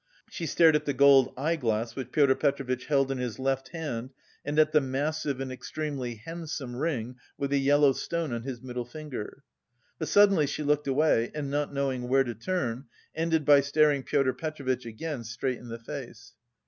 She stared at the gold eye glass which Pyotr Petrovitch held in his left hand and at the massive and extremely handsome ring with a yellow stone on his middle finger. But suddenly she looked away and, not knowing where to turn, ended by staring Pyotr Petrovitch again straight in the face.